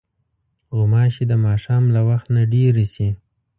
غوماشې د ماښام له وخت نه ډېرې شي.